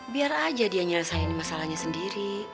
biar aja dia nyelesaiin masalahnya sendiri